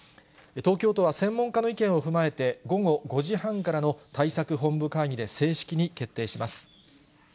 東京都は専門家の意見を踏まえて、午後５時半からの対策本部会議で正式に決定します。